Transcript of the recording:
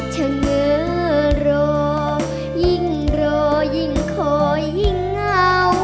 เฉินเมื่อรอยิ่งรอยิ่งขอยิ่งเอา